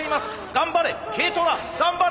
頑張れＫトラ！